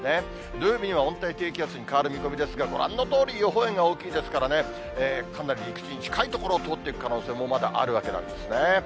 土曜日には温帯低気圧に変わる見込みですが、ご覧のとおり予報円が大きいですからね、かなり陸地に近い所を通っていく可能性もまだあるわけなんですね。